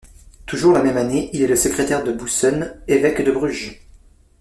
Toujours la même année, il est le secrétaire de Boussen, évêque de Bruges.